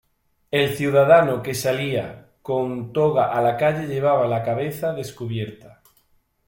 El ciudadano que salía con toga a la calle llevaba la cabeza descubierta.